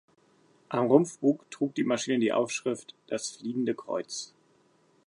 Am Rumpfbug trug die Maschine die Aufschrift „Das fliegende Kreuz“.